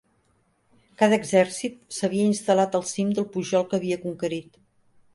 Cada exèrcit s'havia instal·lat al cim del pujol que havia conquerit.